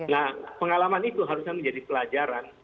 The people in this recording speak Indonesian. nah pengalaman itu harusnya menjadi pelajaran